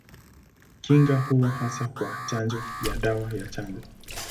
Kinga huwa hasa kwa chanjo ya dawa ya chanjo.